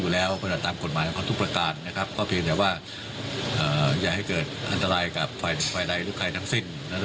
และเค้ายิ่งการลำเมิดสถาบันภาวะสัตว์